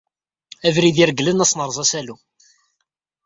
Abrid iregglen ad s-neṛṛeẓ asalu